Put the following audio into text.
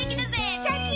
シャキン！